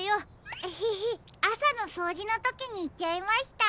エヘヘあさのそうじのときにいっちゃいました。